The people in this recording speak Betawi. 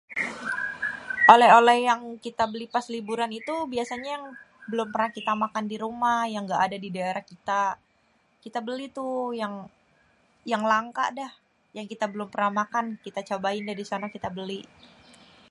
Oleh-oleh yang kita beli pas liburan tuh yang belum pernah kita makan di rumah kita beli tuh yang langka dah yang kita belum pernah makan kita cobain dah kita beli